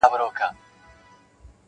یوه خبره ورته یاده وه له پلاره څخه-